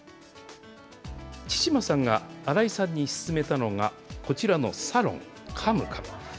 千嶋さんが荒井さんに勧めたのが、こちらのサロン、カムカム。